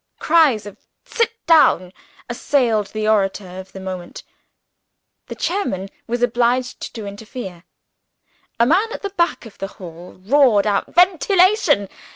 Cries of "Sit down!" assailed the orator of the moment. The chairman was obliged to interfere. A man at the back of the hall roared out, "Ventilation!"